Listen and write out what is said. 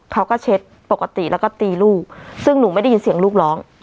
เขาก็เช็ดปกติแล้วก็ตีลูกซึ่งหนูไม่ได้ยินเสียงลูกร้อง